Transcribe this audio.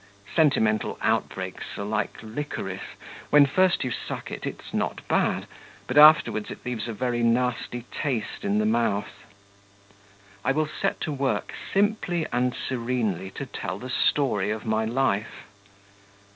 Sentimental out breaks are like liquorice; when first you suck it, it's not bad, but afterwards it leaves a very nasty taste in the mouth. I will set to work simply and serenely to tell the story of my life.